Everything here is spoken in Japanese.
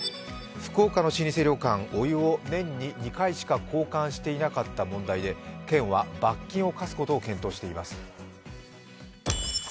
福岡の老舗旅館、お湯を年に２回しか交換していなかった問題で県は罰金を科すことを検討しています。